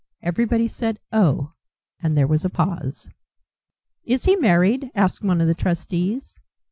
Everybody said "Oh," and there was a pause. "Is he married?" asked one of the trustees.